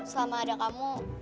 selama ada kamu